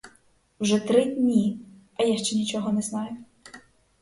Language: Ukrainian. Вже три дні, а я ще нічого не знаю.